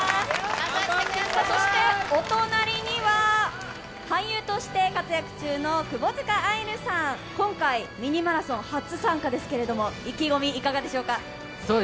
お隣には俳優として活躍中の窪塚愛流さん、今回、「ミニマラソン」初参加ですけど意気込みいかがですか？